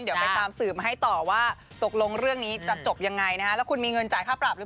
เดี๋ยวไปเพิ่มเรื่องเพิ่มราวอะไร